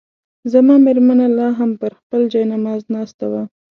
زما مېرمنه لا هم پر خپل جاینماز ناسته وه.